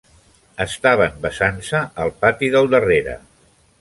Estaven besant-se al pati del darrere.